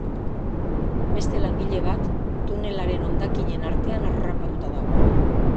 Beste langile bat tunelaren hondakinen artean harrapatuta dago.